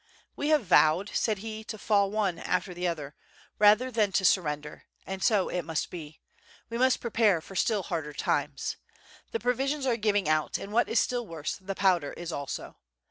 "We have vowed," said he, "to fall one after the other, rather than to surrender, and so it must be; we must prepare for still harder times. The provisions are giving out, and what it still worse, the powder is also.